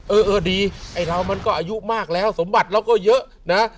เออเออดีไอ้เรามันก็อายุมากแล้วสมบัติเราก็เยอะนะ